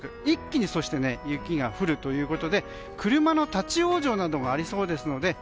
一気に雪が降るということで車の立ち往生などがありそうです。